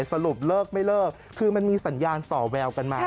สรุปเลิกไม่เลิกคือมันมีสัญญาณต่อแววกันมา